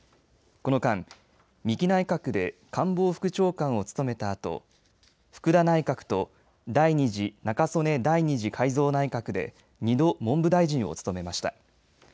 この間、三木内閣で官房副長官を務めたあと福田内閣と第２次中曽根第２次改造内閣で２度、文部大臣を務めました。